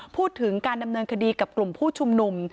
พูดถึงการดำเนินคดีกับกลุ่มผู้ชุมนุม